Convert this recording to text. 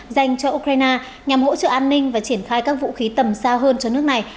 dành cho ukraine nhằm hỗ trợ an ninh và triển khai các vũ khí tầm xa hơn cho nước này